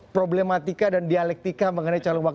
problematika dan dialektika mengenai calon wakil ketua dpd dki